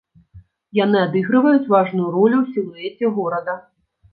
Яны адыгрываюць важную ролю ў сілуэце горада.